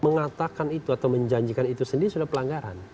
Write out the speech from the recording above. mengatakan itu atau menjanjikan itu sendiri sudah pelanggaran